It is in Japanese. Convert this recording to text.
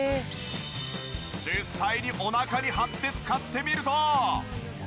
実際にお腹に貼って使ってみると。